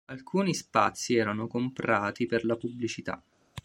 Alcuni spazi erano comprati per la pubblicità.